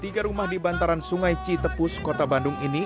tiga rumah di bantaran sungai citepus kota bandung ini